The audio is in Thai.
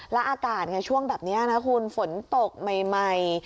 แล้วอากาศไงช่วงแบบนี้นะคุณฝนตกใหม่